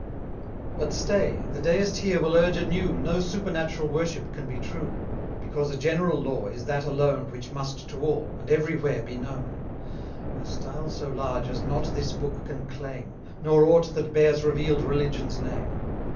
But stay: the Deist here will urge anew, No supernatural worship can be true: Because a general law is that alone 170 Which must to all, and every where be known: A style so large as not this Book can claim, Nor aught that bears Reveal'd Religion's name.